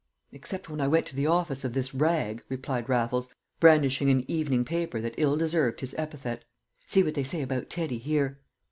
"Except when I went to the office of this rag," replied Raffles, brandishing an evening paper that ill deserved his epithet. "See what they say about Teddy here."